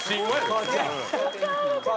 母ちゃん。